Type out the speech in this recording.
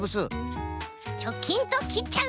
チョキンときっちゃう。